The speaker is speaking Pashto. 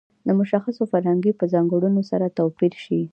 د مشخصو فرهنګي په ځانګړنو سره توپیر شي.